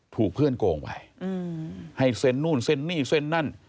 ถูกเพื่อนโกงไปให้เซ็นนู่นเซ็นนี่เซ็นนั่น